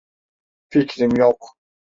Fikrim yok.